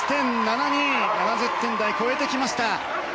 ７０点台を超えてきました。